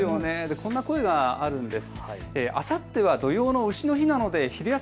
こんな声があるんです。